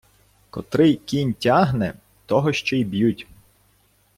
Котрий кінь тягне, того ще й б'ють.